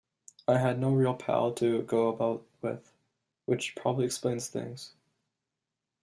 I had no real pal to go about with, which probably explains things.